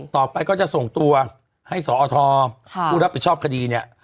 ต่อไปก็จะส่งตัวให้สอทผู้รับผิดชอบคดีเนี่ย